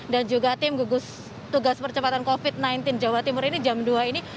dan juga tim gugus tugas percepatan covid sembilan belas jawa timur ini jam dua ini